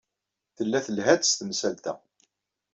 Tella telha-d s temsalt-a.